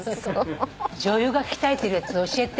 女優が鍛えてるやつ教えて。